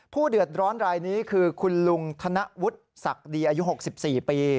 เดือดร้อนรายนี้คือคุณลุงธนวุฒิศักดีอายุ๖๔ปี